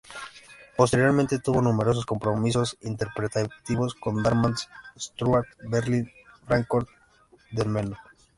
Posteriormente tuvo numerosos compromisos interpretativos en Darmstadt, Stuttgart, Berlín y Fráncfort del Meno.